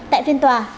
tại phiên tòa